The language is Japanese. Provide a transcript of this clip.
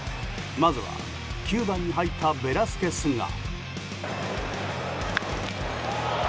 まずは９番に入ったベラスケスが。